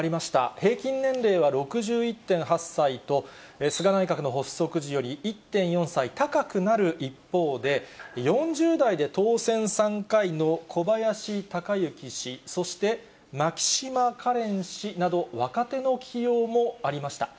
平均年齢は６１．８歳と、菅内閣の発足時より１．４歳高くなる一方で、４０代で当選３回の小林鷹之氏、そして牧島かれん氏など、若手の起用もありました。